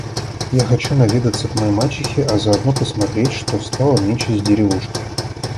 Я хочу наведаться к моей мачехе, а заодно посмотреть, что стало нынче с деревушкой.